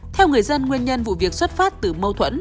theo người dân nguyên nhân vụ việc xuất phát từ mâu thuẫn